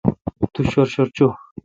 تو شر شر چوں۔